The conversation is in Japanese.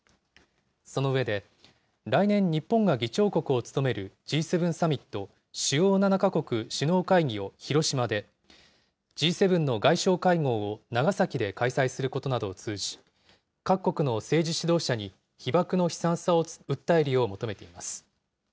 その上で、来年、日本が議長国を務めるＧ７サミット・主要７か国首脳会議を広島で、Ｇ７の外相会合を長崎で開催することなどを通じ、各国の政治指導者に被爆の悲惨さを訴えるよう求めています。